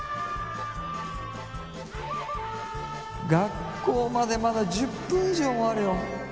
学校までまだ１０分以上もあるよ。